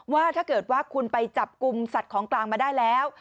ว่าถ้าเกิดว่าคุณไปจับกลุ่มสัตว์ของกลางมาได้แล้ว